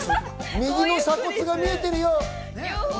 右の鎖骨が出てるよ。